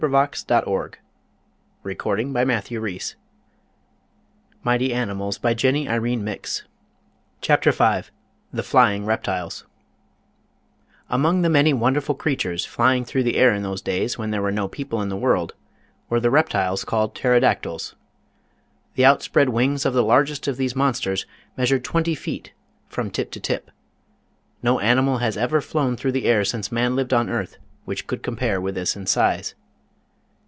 REPTILES C78) Restoration by Clement It. Dttri* PTERODACTYLS SEEKING FOOD ON THE CLIFFS THE FLYING REPTILES AMONG the many wonderful creatures flying through the air in those days when there were no people in the world were the reptiles called Ptero dactyls. The outspread wings of the largest of these monsters measured twenty feet from tip to tip. No animal has ever flown through the air since man lived on earth which could compare with this in size.